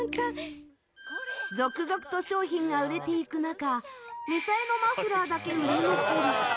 続々と商品が売れていく中みさえのマフラーだけ売れ残り。